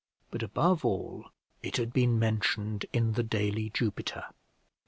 But, above all, it had been mentioned in the daily Jupiter.